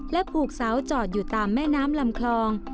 ผูกเสาจอดอยู่ตามแม่น้ำลำคลอง